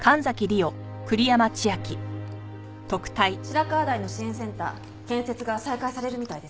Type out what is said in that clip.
白河台の支援センター建設が再開されるみたいですね。